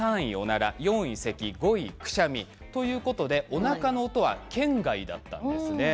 おなかの音は圏外だったんです。